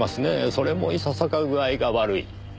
それもいささか具合が悪い。